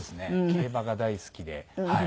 競馬が大好きではい。